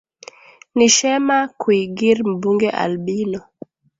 ni shemah kuigir mbunge albino